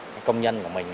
cái công nhân của mình